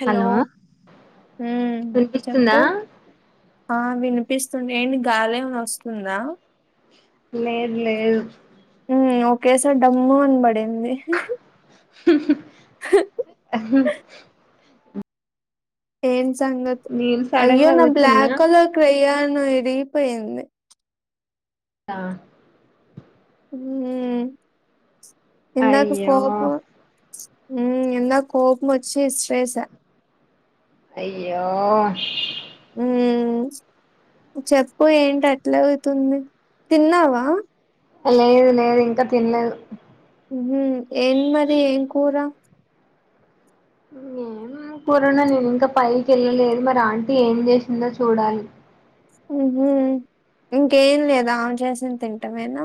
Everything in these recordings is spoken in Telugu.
హలో హ్మ్మ్ వినిపిస్తుందా చెప్పు ఆ వినిపిస్తుంది ఏంటి గాలేమైన వస్తుందా లేదు లేదు హ్మ్మ్ ఒకేసారి డమ్ము అనబడింది అ ఏం సంగతు నేను సడన్ అయ్యో గా నా కూర్చున్నా బ్లాక్ కలర్ క రయ్య ఇరిగిపోయింది ఆ హ్మ్మ్ ఎందాక అయ్యో కోపోం హ్మ్మ్ ఇందాక కోపం వచ్చి ఇసిరేశా అయ్యో హ్మ్మ్ చెప్పు ఏంటి అట్లా అవుతుంది తిన్నావా లేదు లేదు ఇంకా తినలేదు హ్మ్మ్ ఏం మరి ఏం కూర ఏం పూరుణ నేను ఇంకా పైకి వెళ్ళలేదు మరి ఆంటీ ఏం చేసిందో చూడాలి హ్మ్మ్ ఇంకేం లేదా ఆమె చేసిన తింటామేనా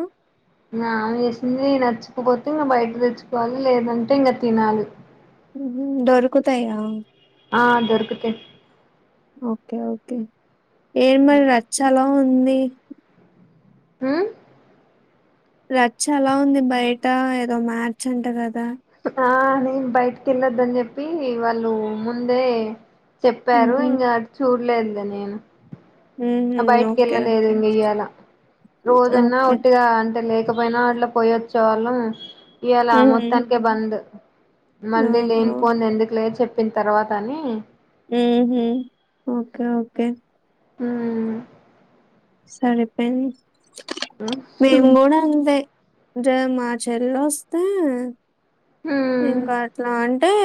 ఆ ఆమె చేసింది నచ్చకపోతే ఇంకా బయట తెచ్చుకోవాలి లేదంటే ఇంకా తినాలి. హ్మ్మ్ దొరుకుతాయా ఆ దొరుకుతయ్ ఓకే ఓకే ఏం మరి రా చాల ఉంది హ్మ్మ్ రచ్చ అలా ఉంది బయట ఏదో మార్చంట కా ఆ నేను బయటకి వెళ్ళొద్దని చెప్పి వాళ్ళు ముందే చెప్పారు హుహు. ఇంకా చూడలేదు ల నేమ్ హుహు. బయటికి ఓకే. వెళ్ళలేదు ఇంగ ఇయ్యాల రోజన్నా ఓకే. ఒట్టిగా అంటే లే ఇకపోయినా అట్లా పోయేచ్చే వాళ్ళం ఇయలా హుహు. మొత్తానికే బంద్ మళ్ళీ ఓహో! లేనిపోంది ఎందుకు లే చెప్ చెప్పిన్ తర్వాత అని మ్మ్ హ్మ్ ఓకే ఓకే మ్మ్ సరే పెన్ మేంగూడ అంతే జె మా చెల్ వస్తే హ్మ్ ఇంకా అట్లాంట్ ఏ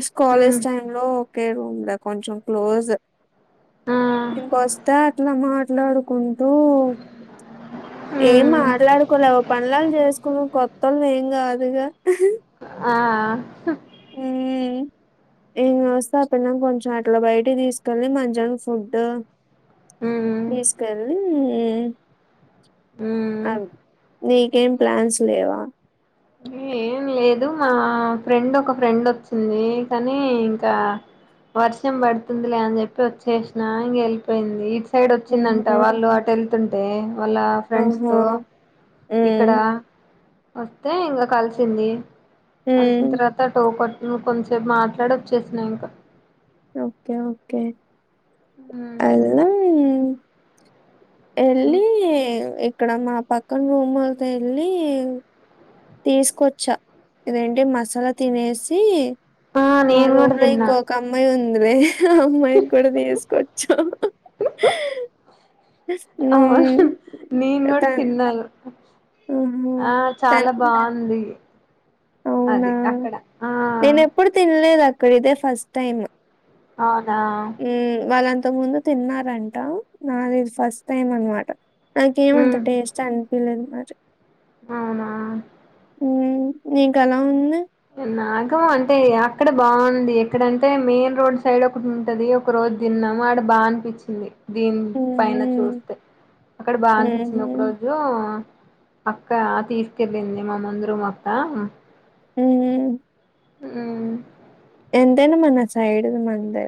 ఇస్ కాలేజ్ హ్మ్ టైమ్ లో ఒకే రూమ్లే కొంచం క్లోజు ఆ ఇంకా వస్తానట్లే మాట్ ఎట్లాడుకున్ దో ఏం హ్మ్ మాట్లాడుకోలేవు పన్లన్ చేసుకో ఒ కొత్ తొల్ ఎంగాదుగా ఆ మ్మ్ వస్తే ఆ పిల్లని కొంచెం అట్లా బయట తీసుకెళ్ళి మంచం ఫుడ్ హ్మ్ తీసుకెళ్ళీ మ్మ్ హ్మ్ ఆను నీకేం ప్లాన్స్ లేవా ఏం లేదు మా ఫ్రెండ్ ఒక ఫ్రెండ్ వచ్చింది కానీ ఇంకా వర్షం పడుతుంది లే అని చెప్పి వచ్చేసినా ఇంగ్ వెళ్ళిపోయింది ఇడ్స్ సైడ్ వచ్చిందంట ఉహూ వాళ్ళు అటు వెళ్తుంటే వాళ్ళ ఆహా ఫ్రెండ్స్తో ఇక్కడ హ్మ్ హ్మ్ అంతే ఇంకా కలిసింది హ్మ్ అల్సంత తర్త టోకట్ ను కొంచేప్ మాట్లాడ వచ్చేసిన ఇంకా ఓకే ఓకే అల్లో ఎల్లీ ఎక్ ఇక్కడ మా పక్కన రూముల్కి వెళ్ళీ తీసుకొచ్చా ఇదేంటి మసాలా తినేసి ఆ మా నేను కూడా రూమ్ లో తిన్నా ఇంకొక అమ్మాయి ఉంది అందే అమ్మాయి కూడా తీసుకోచ్చు ఊ అవును నేను కూడా తను తిన్నాను ఆ చాలా బాగుంది అ అవునా! అది అక్కడ ఆ ఇక్కడ ఇదే ఫస్ట్ టైమ్ అ ఆ ఇంత ముందు తిన్నారంట నాదిదు ఫస్ట్ టైం అనమాట నాకేమంత హ్మ్ టేస్ట్ అనిపలేదు మా అవునా నీ నీకు అలా ఉంది నాగు అంటే అక్కడ బాగుంది. ఎక్కడంటే మెయిన్ రోడ్ సైడ్ ఒకటి ఉంటది. ఒక రోజు తిన్నాము ఆడ బాగా అనిపించింది. దీని పైన హుహు. చూస్తే అక్కడ బా హుహు. అనిపిచింది ఒక రోజు అక్క తీసుకెళ్ళింది మామందరం అక హు ఉ ఉ ఎంతైనా మన సైడ్ మందే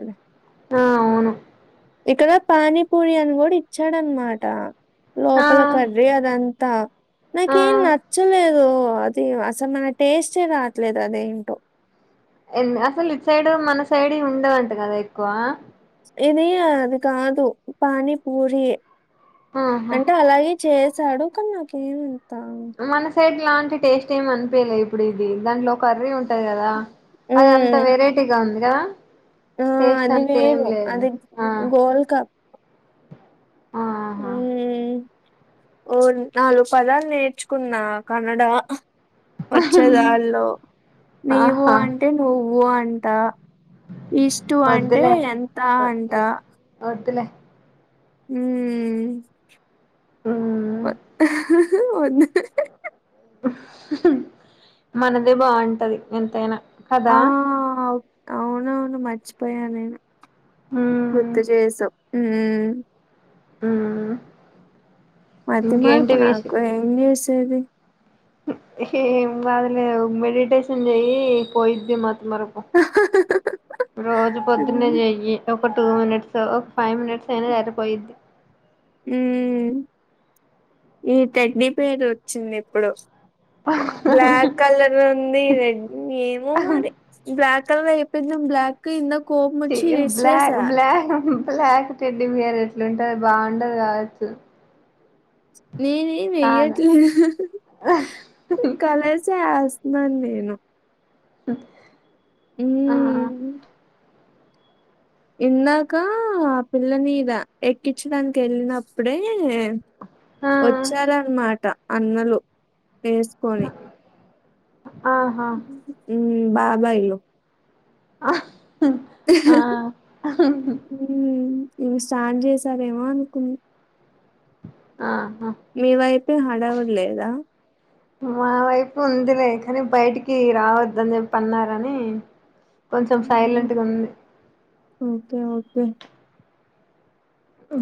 ఆ అవును ఇక్కడ పానీ పూరి అని కూడా ఇచ్చాడనమాట ఆ లోపల కర్రీ అదంతా ఆ నాకేం నచ్చలేదు అది అసలు నా టేస్టే రావట్లేదు అద ఏంటో ఎన్ ఆపిల్ అసలు ఈటు సైడు మన సైడ్ ఉండవంట కదా ఎక్కువ ఇది అది కాదు పానీ పూరి యే ఆహా అంటే అలాగే చేస్ సడు కన్నాక ఏం అనఫైడ్ ఇలాంటి టేస్ట్ ఏమ అనిపియలే ఇప్పుడు ఇది దాంట్లో కర్రీ ఉంటది కదా హ్మ్. అది అంత వెరైటీగా ఉంది కా ఆ అది వేరు అది గోల్ కప్ ఆ ఉ ఆహా ఓ నాలుగు పదాలు నేర్చుకున్నా కన్నడ వచ్చేదాలో నీవు ఆహా అంటే నువ్వు అంటే అంత ఇష్టటు అంటే వద్దులే ఎంత అంట వద్దులే హు ఆ వన్న మనదే బాగుంటది ఎంతైనా కదా ఆ! అవునవును మర్చిపోయా నినే మ్మ్ గుర్తు చేసావ్ అ హు మతి మరుపు నాకు ఎం చెస్ సేది ఎం కాదులే మెడిటేషన్ చెయయిి పోయిది మ మరపు రోజు పొద్దున్నే హ్మ్. చెయ్యి ఒక టూ మినిట్స్ ఒక ఫైవ్ మినిట్స్ అయినా సరిపోయిద్ది హ ఈ తగ్గి పేది వచ్చింది ఇప్పుడు బ్లాక్ కలర్ ఉంది రెడ్ ఏమో మరి బ్లాక్ కలప్ప బ్లక్ ఇన్న బ్లక్ బ్లక్ బ్లాక్ టెడ్డిబియర్ ఎట్లుంటది బాగుండది కావచ్చు నీ నేమ్ కాదా చేయట్లే కాలసస్ నన్నేను అ ఆ హ్మ్. ఇందాక ఆ పిల్లని మీద ఎక్కించడాానికి వెళ్ళినప్పుడే ఆ వచ్చారన్నమాట అన్నలు వేసుకొని ఆహా బాబాయ్ లు ఆ హ ఇక స్టార్ట్ చేసారేమో అనుకున్న ఆ మీ వైపే హడవిడి లేదా మా వైపు ఉందిలే కానీ బయటికి రావద్దని చెప్పి అన్నారని కొంచెం హుహు. సైలెంట్గా ఉంది. కే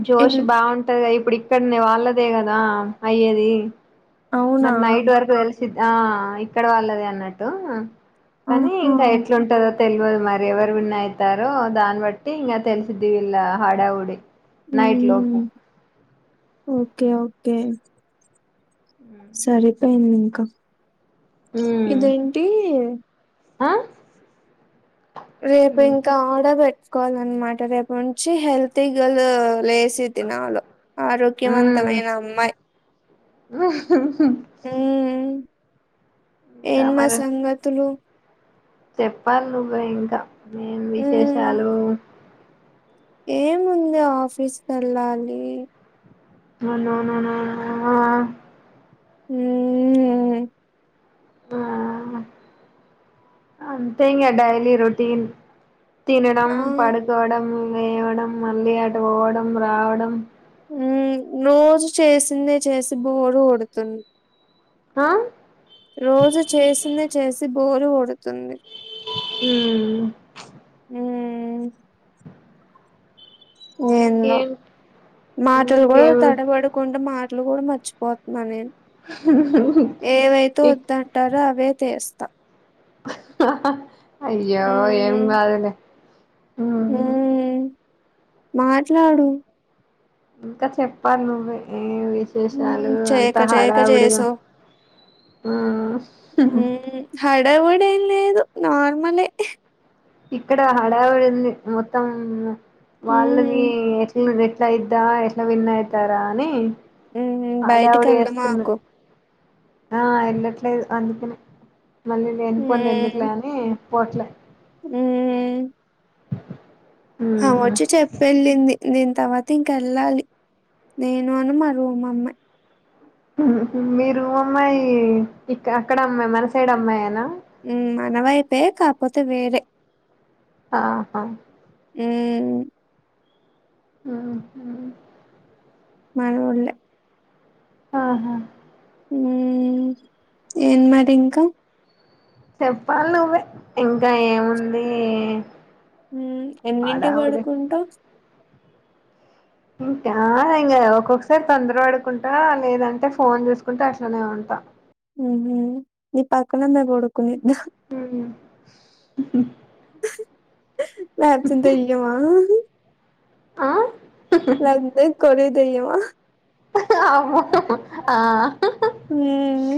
జోష్ బాగుంటద ఇప్ ప్పుడు ఇకడ్నే వాళ్ళదే కదా అయ్యేది. అవునా? మరి నైట్ వరక్ తెలుస్ సిద్ది ఆ ఇక్కడి వాళ్ళది అన్నట్టు కానీ ఆహా! ఇంకా ఎట్లుంటదో తెలవదు మరి ఎవరు విన్ అయితారో దాన్ని బట్టి ఇంకా తెలిసిద్ది వీళ్లా హడావుడి నైట్ లోపు హ్మ్. ఓకే ఓకే సరిపోయింది ఇంకా ఉమ్ ఇదేంటి ఆ రేపు ఇంకా ఆడ పె కోవాలఅనమాట రేపు నుంచి హెల్తీ గల్ లే సిద్ది నాలో ఉమ్ ఆరోగ్యవంతమైన అమ్మాయి. హ్మ్ ఇంకా ఏన్మా మరి సంగతులు చెప్పాలి నువ్వే ఇంకా ఏం విశేషాలు ఏము ఉంది ఆఫీస్కి వెళ్ళాలి. అనోనోనోనోనోన హ్మ్ ఆహా ఆ అంతేంగా డైలీ రోటీన్ తినడం, ఆ పడుకోవడం. లేవడం మళ్ళీ అటు పోవడం, రావడం. ఉ రోజు చేసిందే చేసి బోరు కొడుతుంది. ఆ రోజు చేసింది చేసి బోరు కొడుతుంది. ఉ హ్ ఎందో ఇంకేం మాటల కూడా ఇంకేం తడపడుకంట మా అట్లు కూడా మర్చిపోతున్నా నేను ఏవైతే వద్దంటారో అవే తీస్తా ఆ అయ్యో ఏం మ్మ్. కాదులే హ్మ్ మ్మ్. మాట్లాడు ఇంక చెప్పాల్ నువ్వే మ్మ్. విశేషాలు అంత చేయక చేయక హాడావిడి హమ్ హమ్ హ హడావిడి ఏం లే నార్మల్ ఎ ఇక్కడ హడావిడి ఉంది మొత్తం వాళ్ళని మ్మ్. ఎట్లు పెట్ ఎట్ల అయిద్దా ఎట్ల విన్ అయితరా అని మ్మ్. బయటికి హడావిడి వస్తున్న వెళ్దామాకు ఆ ఎలాట్లే అందుకనే మళ్ళీ లేని పోనివి ఎందుకులే అని పోట్లే హమ్ అ వచ్చి చెప్పి ఎల్లింది తర్వాత ఇంక వెళ్ళాలి నేను అని మా రూమమ్మాయి మీరు అమ్మాయి ఇ అక్కడ అమ్మాయి మన సైడ్ అమ్మాయినా మనవైపే కాకపోతే వేరే ఆహా హమ్ హమ్ మనోళ్లే ఆహా హమ్ ఏన్ మరి ఇంకా చెప్పాలి నువ్వే ఇంక ఏముంది ఎ ఎన్నింటి పడుకుంటౌ ఇంకా ఇంకా ఒక్కొక్కసారి తొందర పడుకుంటా లేదంటే ఫోన్ చేసుకుంట అట్లనే ఉంటా నీ పక్కన మ కొడుకునే దు వ్యాచ్చం తెయ్యమా ఆ [unintelligible] కో దేవా అమో ఆ ఉమ్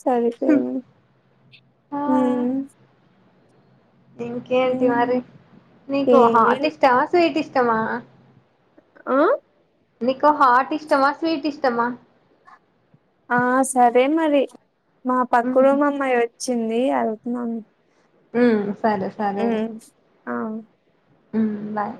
సరిపోయింది ఆ హమ్ ఇంకేంటి మరి నీకు ఏమి హాట్ ఇష్టమా స్వీట్ ఇష్ట ఆ చెప్ ఆ ఎకో హార్ట్ ఇష్టమా స్వీట్ ఇష్టమా ఆ సరే మరి మా పాకుడ ఉ మామ్మాయోజచ్చ చింది వెళ్గుతున్నాను మ్మ్ సరే సరే లే ఆ మ్మ్ బాయ్